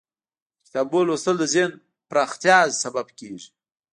د کتابونو لوستل د ذهن پراختیا سبب کیږي.